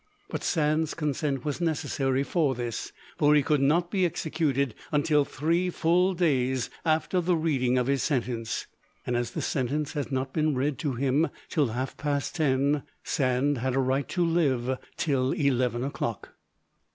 But Sand's consent was necessary for this; for he could not be executed until three full days after the reading of his sentence, and as the sentence had not been read to him till half past ten Sand had a right to live till eleven o'clock.